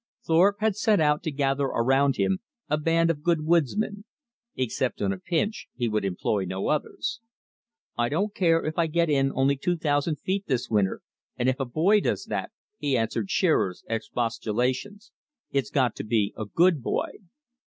Thorpe had set out to gather around him a band of good woodsmen. Except on a pinch he would employ no others. "I don't care if I get in only two thousand feet this winter, and if a boy does that," he answered Shearer's expostulations, "it's got to be a good boy."